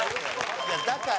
いや、だから。